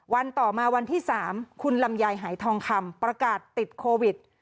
ต่อมาวันที่๓คุณลำไยหายทองคำประกาศติดโควิด